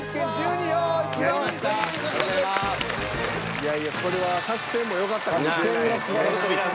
いやいやこれは作戦もよかったかもしれないですね。